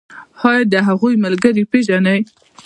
ایا د هغوی ملګري پیژنئ؟